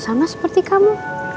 sama seperti kamu